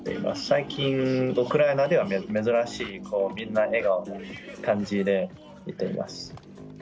最近、ウクライナでは珍しい、みんな笑顔な感じでいてます。